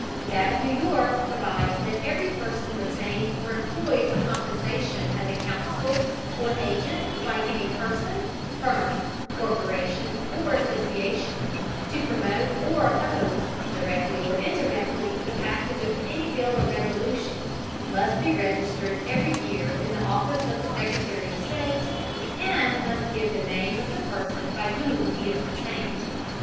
That of New York provides that every person retained or employed for compensation as a counsel or agent by any person, firm, corporation, or association, to promote or oppose, directly or indirectly, the passage of any bill or resolution, must be registered every year in the office of the secretary of state, and must give the name of the person by whom he is retained.